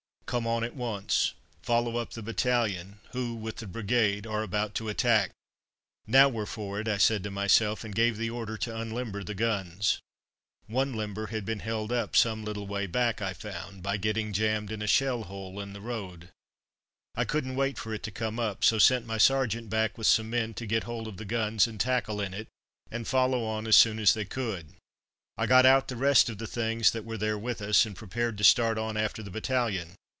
"Come on at once, follow up the battalion, who, with the brigade, are about to attack." "Now we're for it," I said to myself, and gave the order to unlimber the guns. One limber had been held up some little way back I found, by getting jammed in a shell hole in the road. I couldn't wait for it to come up, so sent my sergeant back with some men to get hold of the guns and tackle in it, and follow on as soon as they could. I got out the rest of the things that were there with us and prepared to start on after the battalion.